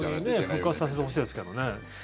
復活させてほしいですけどね。